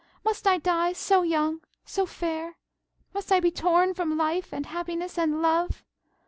Must I die so young, so fair? Must I be torn from life, and happiness, and love?